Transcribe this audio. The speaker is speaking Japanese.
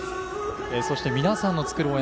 そして、皆さんの作る応援